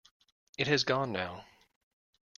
It has gone now.